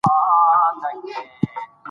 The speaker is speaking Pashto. سیاسي مشارکت د ولس غږ ځواکمن کوي